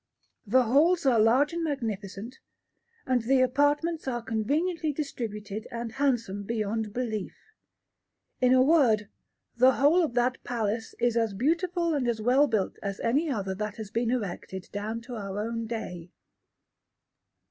The halls are large and magnificent, and the apartments are conveniently distributed and handsome beyond belief. In a word, the whole of that palace is as beautiful and as well built as any other that has been erected down to our own day.